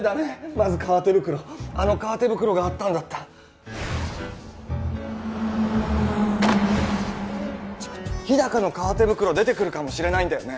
まず革手袋あの革手袋があったんだった日高の革手袋出てくるかもしれないんだよね？